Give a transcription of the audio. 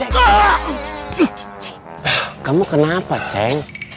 ceng kamu kenapa ceng